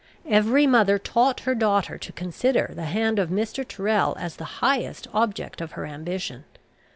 Every mother taught her daughter to consider the hand of Mr. Tyrrel as the highest object of her ambition.